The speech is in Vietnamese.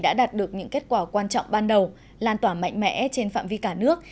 đã đạt được những kết quả quan trọng ban đầu lan tỏa mạnh mẽ trên phạm vi cả nước